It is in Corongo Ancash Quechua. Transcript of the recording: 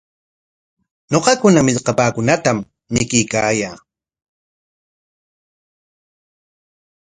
Ñuqakuna millkapaakunatam mikuykaayaa.